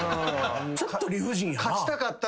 ちょっと理不尽やな。